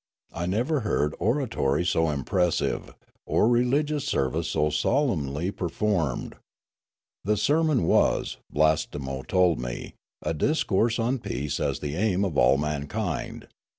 I never heard oratory so impressive, or religious service so solemnly per formed. The sermon was, Blastemo told me, a dis course on peace as the aim of all mankind.